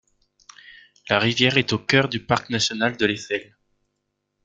La rivière est au cœur du parc national de l'Eifel.